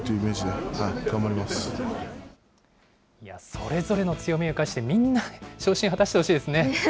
それぞれの強みを生かして、みんな昇進果たしてほしいですね。